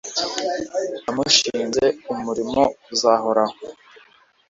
yamushinze umurimo uzahoraho